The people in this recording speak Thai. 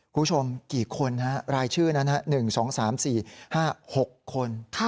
คุณผู้ชมรายชื่อนั้น๑๒๓๔๕๖คน